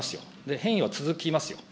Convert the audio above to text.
変異は続きますよ。